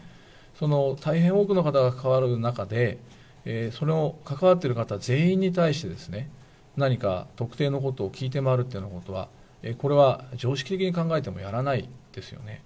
その大変多くの方が関わる中で、その関わってる方全員に対して、何か特定のことを聞いて回るというようなことは、これは常識的に考えてもやらないですよね。